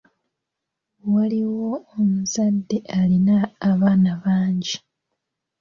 Waaliwo omuzadde alina abaana bangi.